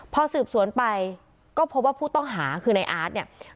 พอสืบสวนไปก็พบว่าผู้ต้องหาคือในอาร์ตเนี่ย